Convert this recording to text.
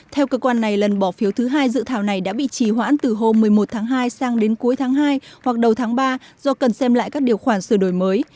theo cơ quan này lần bỏ phiếu thứ hai dự thảo này đã bị trì hoãn từ hôm một mươi một tháng hai sang đến cuối tháng hai hoặc đầu tháng ba do cần xem lại các điều khoản sửa đổi mới